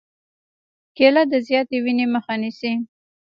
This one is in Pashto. کېله د زیاتې وینې مخه نیسي.